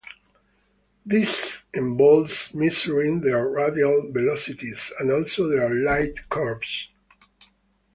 This involves measuring their radial velocities and also their light curves.